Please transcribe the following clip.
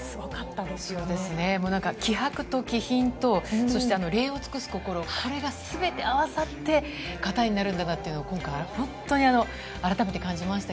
気迫と気品と礼を尽くす心、これがすべて合わさって形になるんだなというのを今回、あらためて感じました。